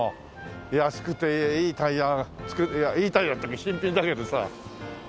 安くていいタイヤいいタイヤって新品だけどさ。